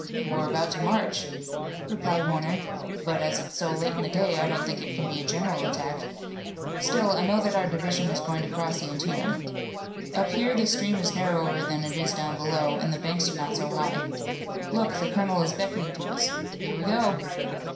"We're about to march," replied Warner, "but as it's so late in the day I don't think it can be a general attack. Still, I know that our division is going to cross the Antietam. Up here the stream is narrower than it is down below, and the banks are not so high. Look, the colonel is beckoning to us! Here we go!"